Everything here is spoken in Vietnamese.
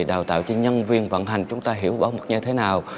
đào tạo cho nhân viên vận hành chúng ta hiểu bỏ mặt như thế nào